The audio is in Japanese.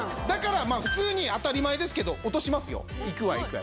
普通に当たり前ですけど落としますよいくわよ。